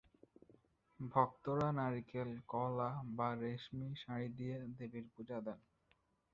ভক্তরা নারকেল, কলা বা রেশমি শাড়ি দিয়ে দেবীর পূজা দেন।